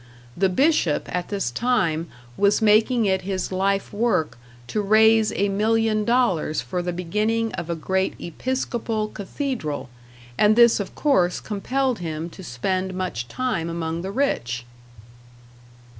The Bishop at this time was making it his life work to raise a million dollars for the beginning of a great Episcopal cathedral; and this of course compelled him to spend much time among the rich!